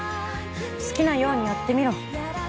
好きなようにやってみろ。